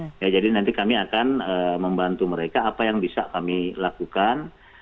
dan mereka juga sudah mencari teman teman yang bisa membantu mereka apa yang bisa kami lakukan